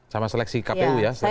sama seleksi kpu ya